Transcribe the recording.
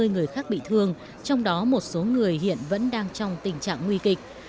hai mươi người khác bị thương trong đó một số người hiện vẫn đang trong tình trạng nguy kịch